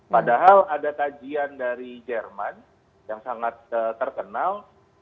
padahal ada kajian dari jerman yang sangat terkenal